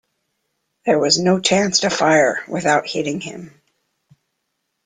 There was no chance to fire without hitting him.